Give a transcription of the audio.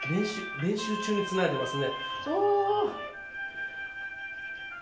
練習中につないでますね。